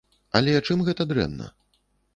Але чым гэта дрэнна?